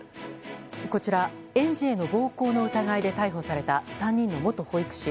こちら、園児への暴行の疑いで逮捕された３人の元保育士。